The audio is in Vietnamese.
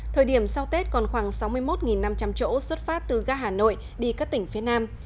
thời điểm sau tết còn khoảng sáu mươi một năm trăm linh chỗ xuất phát từ ga hà nội đi các tỉnh phía nam